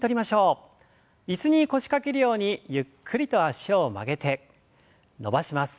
椅子に腰掛けるようにゆっくりと脚を曲げて伸ばします。